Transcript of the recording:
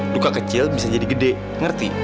duka kecil bisa jadi gede ngerti